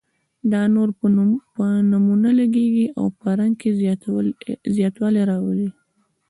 دا نور په نمونه لګیږي او په رنګ کې زیاتوالی راولي.